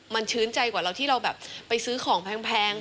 มันชื้นใจกว่าเราที่เราแบบไปซื้อของแพง